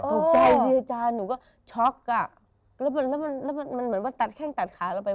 ถูกใจสิอาจารย์หนูก็ช็อกอ่ะแล้วมันเหมือนว่าตัดแข้งตัดขาเราไป